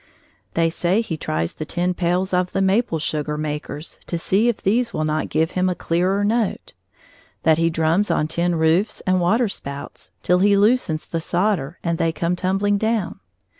They say he tries the tin pails of the maple sugar makers to see if these will not give him a clearer note; that he drums on tin roofs and waterspouts till he loosens the solder and they come tumbling down.